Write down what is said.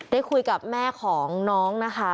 ได้คุยกับแม่ของน้องนะคะ